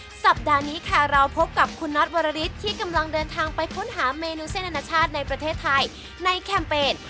สัปดาห์นี้ค่ะเราพบกับคุณน็อตวรริสที่กำลังเดินทางไปค้นหาเมนูเส้นอนาชาติในประเทศไทยในแคมเปญ